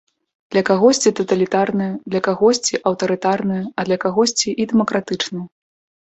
Для кагосьці таталітарная, для кагосьці аўтарытарная, а для кагосьці і дэмакратычная.